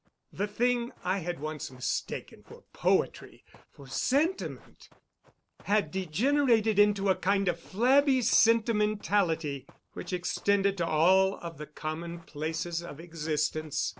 The thing I had once mistaken for poetry, for sentiment, had degenerated into a kind of flabby sentimentality which extended to all of the commonplaces of existence.